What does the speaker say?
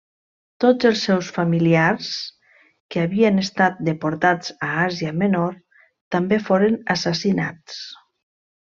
Tots els seus familiars, que havien estat deportats a Àsia Menor, també foren assassinats.